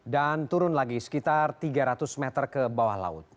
dan turun lagi sekitar tiga ratus meter ke bawah laut